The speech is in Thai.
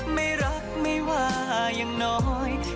ไม่รักไม่ว่าอย่างน้อย